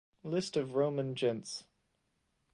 List of Roman gentes